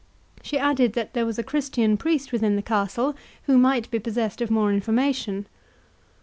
She added, that there was a Christian priest within the castle who might be possessed of more information.